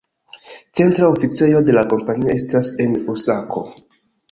Centra oficejo de la kompanio estas en Osako.